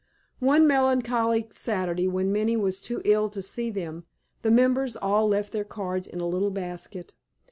One melancholy Saturday, when Minnie was too ill to see them, the members all left their cards in a little basket.